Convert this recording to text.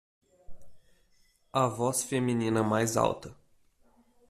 A voz feminina mais alta